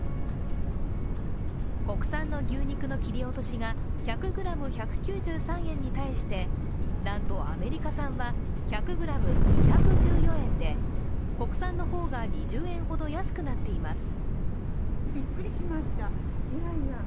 国産の牛肉の切り落としが１００ｇ１９３円に対してなんとアメリカ産は１００ｇ２１４円で、国産の方が２０円ほど安くなっています。